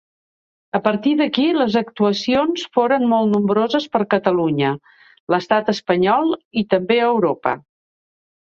A partir d'aquí les actuacions foren molt nombroses per Catalunya, l'Estat espanyol i també Europa.